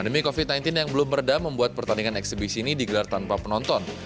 pandemi covid sembilan belas yang belum meredah membuat pertandingan eksebisi ini digelar tanpa penonton